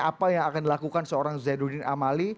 apa yang akan dilakukan seorang zainuddin amali